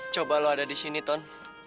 coba lo ada disini ton